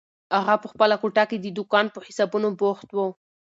اغا په خپله کوټه کې د دوکان په حسابونو بوخت و.